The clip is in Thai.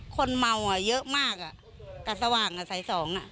คนเมาอ่ะเยอะมากกับสว่างอ่ะสายสองอ่ะ